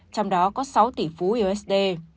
trong đó có sáu tỷ phú usd